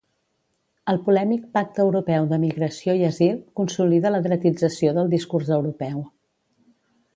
El polèmic pacte europeu de migració i asil consolida la dretització del discurs europeu